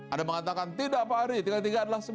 anda mengatakan tidak pak ari tiga x tiga adalah sembilan